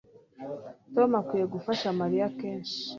Tom akwiye gufasha Mariya kenshi